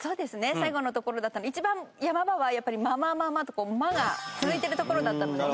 最後のところだったので一番山場はやっぱり「ママママ」と「マ」が続いてるところだったのでね。